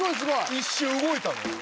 一瞬動いたのよ